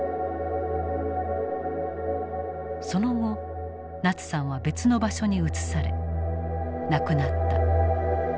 その後ナツさんは別の場所に移され亡くなった。